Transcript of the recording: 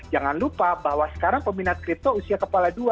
jangan lupa bahwa sekarang peminat kripto usia kepala dua